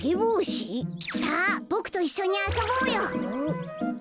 さあボクといっしょにあそぼうよ。